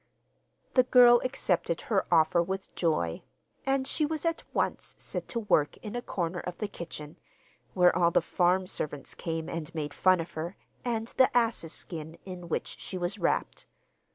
The girl accepted her offer with joy, and she was at once set to work in a corner of the kitchen, where all the farm servants came and made fun of her, and the ass's skin in which she was wrapped.